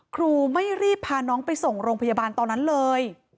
ครูไม่รีบพาน้องไปส่งโรงพยาบาลตอนนั้นเลย